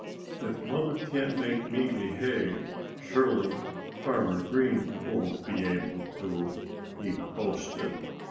"If Mother can't make me behave, surely Farmer Green won't be able to," he boasted.